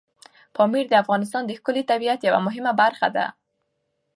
پامیر د افغانستان د ښکلي طبیعت یوه مهمه برخه ده.